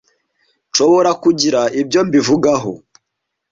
nshobora kugira ibyo mbivugaho.